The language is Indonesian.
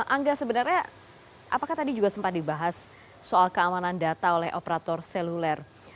angga sebenarnya apakah tadi juga sempat dibahas soal keamanan data oleh operator seluler